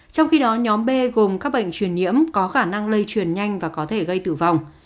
trong khi đó nhóm b gồm các bệnh truyền nhiễm có khả năng lây truyền nhanh và có thể gây tử vong